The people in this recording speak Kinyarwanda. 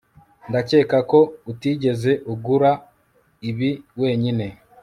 ndakeka ko utigeze ugura ibi wenyine